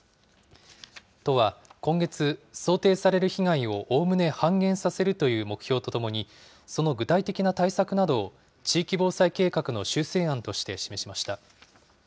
都は、今月、想定される被害をおおむね半減させるという目標とともに、その具体的な対策などを地域防災計画の修正案として示しました。